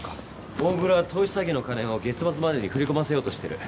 大黒は投資詐欺の金を月末までに振り込ませようとしてる。